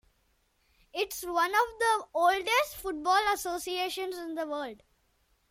It is one of the oldest football associations in the world.